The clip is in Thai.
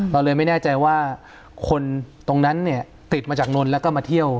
เราเลยไม่แน่ใจว่าคนตรงนั้นเนี่ยติดมาจากนนท์แล้วก็มาเที่ยว